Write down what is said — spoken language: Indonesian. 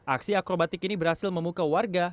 aksi akrobatik ini berhasil memukau warga